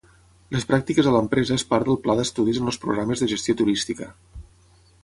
Les pràctiques a l'empresa és part del pla d'estudis en els programes de gestió turística.